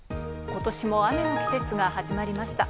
今年も雨の季節が始まりました。